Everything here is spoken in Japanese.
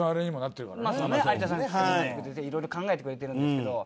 有田さんいろいろ考えてくれてるんですけど。